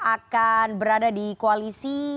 akan berada di koalisi